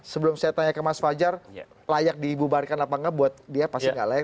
sebelum saya tanya ke mas fajar layak dibubarkan apa nggak buat dia pasti enggak